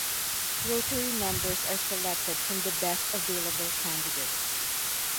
Rotary members are selected from the best available candidates.